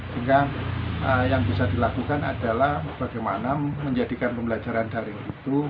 sehingga yang bisa dilakukan adalah bagaimana menjadikan pembelajaran daring itu